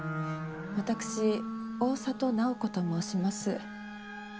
私大郷楠宝子と申します。